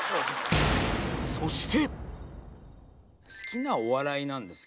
そして。